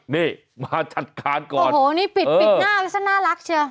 นี่มาจัดการก่อนโอ้โหนี่ปิดปิดหน้าดิฉันน่ารักเชียว